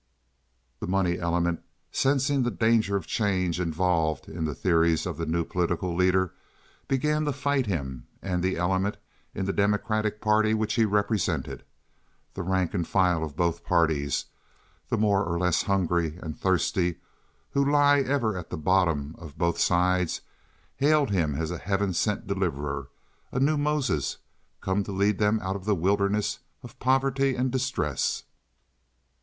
The money element, sensing the danger of change involved in the theories of the new political leader, began to fight him and the element in the Democratic party which he represented. The rank and file of both parties—the more or less hungry and thirsty who lie ever at the bottom on both sides—hailed him as a heaven sent deliverer, a new Moses come to lead them out of the wilderness of poverty and distress.